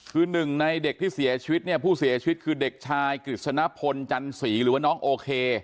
คือหนึ่งในเด็กที่เสียชีวิตเนี่ยผู้เสียชีวิตคือเด็กชายกฤษณพลจันสีหรือว่าน้องโอเค